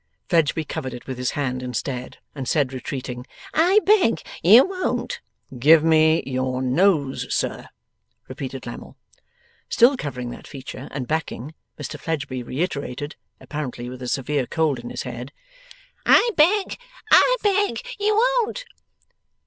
Fledgeby covered it with his hand instead, and said, retreating, 'I beg you won't!' 'Give me your nose, sir,' repeated Lammle. Still covering that feature and backing, Mr Fledgeby reiterated (apparently with a severe cold in his head), 'I beg, I beg, you won't.